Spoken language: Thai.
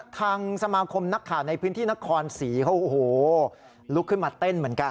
ทางสมาคมนักข่าวในพื้นที่นครศรีเขาโอ้โหลุกขึ้นมาเต้นเหมือนกัน